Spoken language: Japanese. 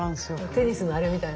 テニスのあれみたいな。